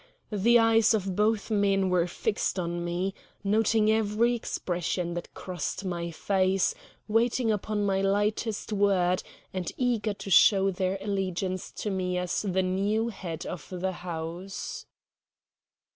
The eyes of both men were fixed on me, noting every expression that crossed my face, waiting upon my lightest word, and eager to show their allegiance to me as the new head of the house.